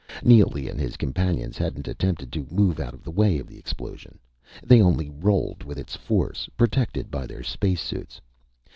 Neely and his companions hadn't attempted to move out of the way of the explosion. They only rolled with its force, protected by their space suits.